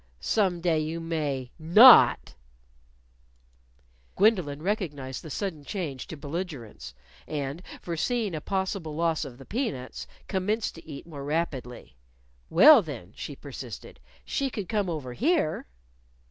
"Some day you may not." Gwendolyn recognized the sudden change to belligerence; and foreseeing a possible loss of the peanuts, commenced to eat more rapidly. "Well, then," she persisted, "she could come over here."